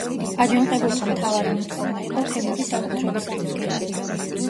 აჯანყებულთა მთავარი მოთხოვნა იყო თემური საკუთრების აღდგენა.